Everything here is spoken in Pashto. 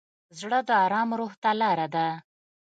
زړه د ارام روح ته لاره ده.